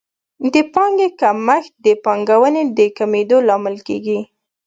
د پانګې کمښت د پانګونې د کمېدو لامل کیږي.